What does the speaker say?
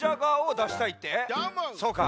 そうか。